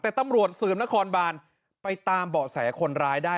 แต่ตำรวจสืบนครบานไปตามเบาะแสคนร้ายได้